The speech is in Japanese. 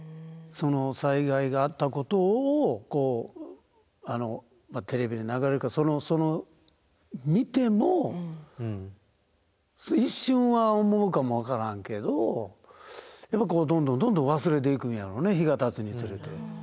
その災害があったことをこうテレビで流れるかその見ても一瞬は思うかも分からんけどどんどんどんどん忘れていくんやろうね日がたつにつれて。